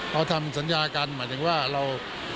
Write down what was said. เขาทำสัญญากันหมายถึงว่าเรา